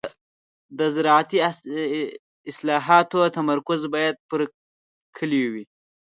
د زراعتي اصلاحاتو تمرکز باید پر کليو وي.